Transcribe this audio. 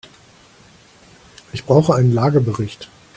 Ich brauche einen Lagebericht.